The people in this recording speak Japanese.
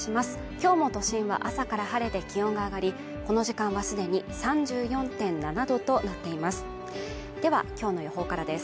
今日も都心は朝から晴れて気温が上がりこの時間はすでに３４．７度となっていますではきょうの予報からです